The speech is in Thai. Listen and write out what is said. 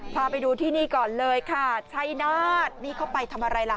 พาไปดูที่นี่ก่อนเลยค่ะชัยนาฏนี่เขาไปทำอะไรล่ะ